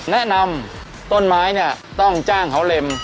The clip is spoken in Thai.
แนะนำต้นไม้เนี่ยต้องจ้างเขาเล็ม